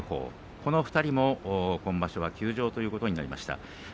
この２人も今場所は休場ということになりました。